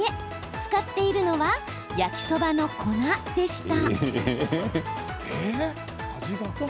使っているのは焼きそばの粉でした。